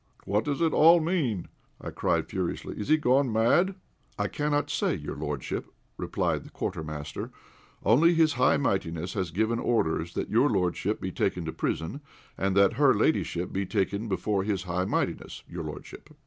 "What does it all mean?" I cried, furiously; "is he gone mad?" "I cannot say, your lordship," replied the Quartermaster, "only his high mightiness has given orders that your lordship be taken to prison, and that her ladyship be taken before his high mightiness, your lordship."